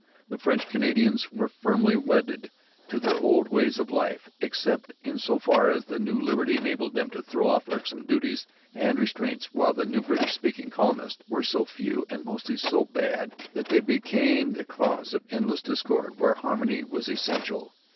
The French Canadians were firmly wedded to their old ways of life, except in so far as the new liberty enabled them to throw off irksome duties and restraints, while the new English speaking 'colonists' were so few, and mostly so bad, that they became the cause of endless discord where harmony was essential.